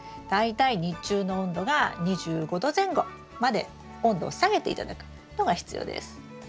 大体日中の温度が２５℃前後まで温度を下げて頂くのが必要です。